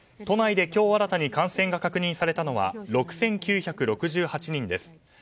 都内で今日新たに感染が確認されたのは６９６８人です。